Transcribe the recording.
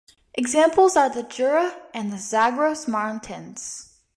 Examples are the Jura and the Zagros mountains.